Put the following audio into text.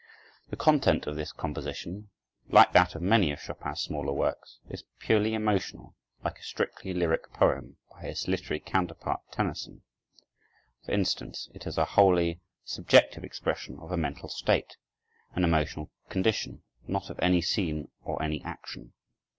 The content of this composition, like that of many of Chopin's smaller works, is purely emotional, like a strictly lyric poem, by his literary counterpart Tennyson, for instance; it is a wholly subjective expression of a mental state, an emotional condition, not of any scene or any action.